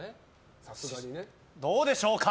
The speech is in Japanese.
どうでしょうか！